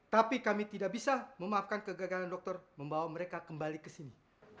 tapi kami tidak bisa memaafkan kegagalan dokter membawa mereka kembali ke sini